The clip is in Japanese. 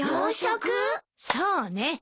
そうね。